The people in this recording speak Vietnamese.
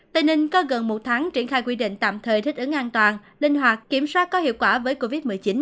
tây ninh có gần một tháng triển khai quy định tạm thời thích ứng an toàn linh hoạt kiểm soát có hiệu quả với covid một mươi chín